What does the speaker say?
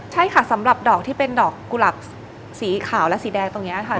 ใช่ค่ะสำหรับดอกที่เป็นดอกกุหลับสีขาวและสีแดงตรงนี้ค่ะ